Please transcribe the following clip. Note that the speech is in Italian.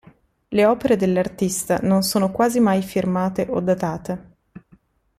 Le opere dell'artista non sono quasi mai firmate o datate.